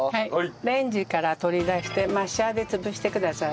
レンジから取り出してマッシャーで潰してください。